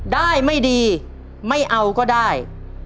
ได้ไม่ดีไม่เอาก็ได้